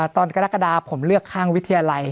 กรกฎาผมเลือกข้างวิทยาลัย